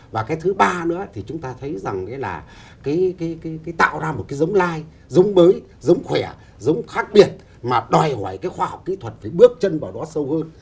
và cái thứ ba nữa thì chúng ta thấy rằng là tạo ra một cái giống lai giống mới giống khỏe giống khác biệt mà đòi hỏi cái khoa học kỹ thuật phải bước chân vào đó sâu hơn